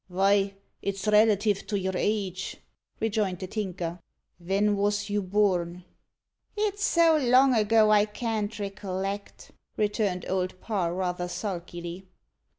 "Vy, it's relative to your age," rejoined the Tinker. "Ven wos you born?" "It's so long ago, I can't recollect," returned Old Parr rather sulkily.